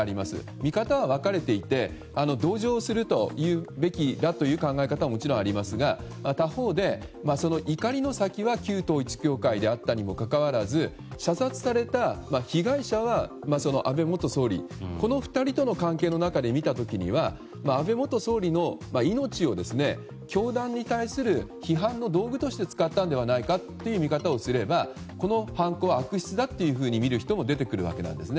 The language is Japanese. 見方は分かれていて同情すべきだという考え方もありますが他方で、怒りの先は旧統一教会であったにもかかわらず射殺された被害者は安倍元総理この２人との関係の中で見た時には安倍元総理の命を教団に対する批判の道具として使ったのではないかという見方をすればこの犯行は悪質だというふうに見る人も出てくるわけですね。